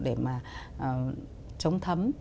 để mà chống thấm